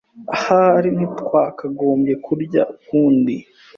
Ahari ntitwakagombye kurya ukundi.